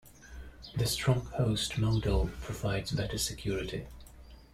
The strong host model provides better security.